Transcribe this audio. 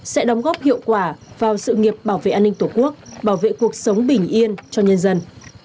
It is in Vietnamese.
sẽ đóng góp hiệu quả vào sự nghiệp bảo vệ an ninh tổ quốc bảo vệ cuộc sống bình yên cho nhân dân